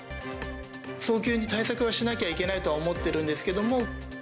早急に対策はしなきゃいけないとは思っているんですけども。